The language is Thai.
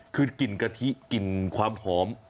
คือกลิ่นกะทิกลิ่นความหอม